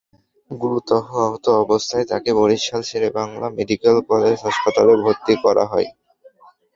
গুরুতর আহত অবস্থায় তাঁকে বরিশাল শেরেবাংলা মেডিকেল কলেজ হাসপাতালে ভর্তি করা হয়।